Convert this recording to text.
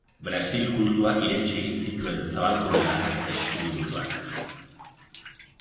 Brasil kultuak irentsi egiten zituen zabalkunde-lanak eta eskuliburuak.